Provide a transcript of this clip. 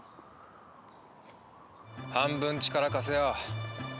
半分力貸せよ。